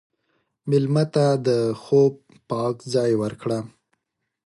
مېلمه ته د خوب پاک ځای ورکړه.